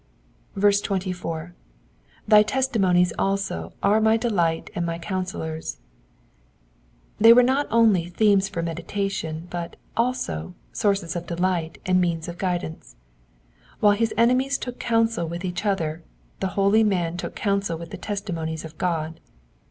Verse 24. rAy testimonies also are my delight and my counsellors^ They were not only themes for meditation, but also" sources of delight and means of guidance. While his enemies took counsel with each other the boly man took counsel with the testimonies of God.